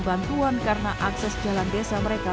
bantuan karena akses jalan desa mereka